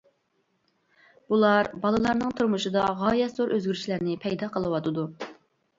بۇلار بالىلارنىڭ تۇرمۇشىدا غايەت زور ئۆزگىرىشلەرنى پەيدا قىلىۋاتىدۇ.